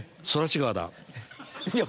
いや。